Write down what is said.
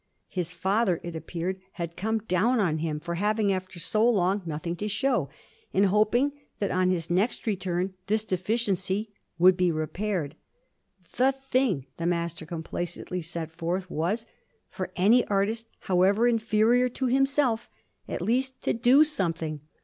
His father, it appeared, had come down on him for having, after so long, nothing to show, and hoped that on his next return this deficiency would be repaired. The thing, the Master complacently set forth was for any artist, however inferior to himself at least to 'do' something.